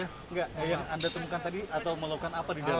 enggak yang anda temukan tadi atau melakukan apa di dalam